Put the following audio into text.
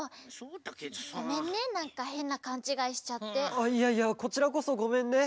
あっいやいやこちらこそごめんね。